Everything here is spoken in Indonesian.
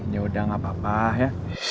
ya udah gak apa apa ya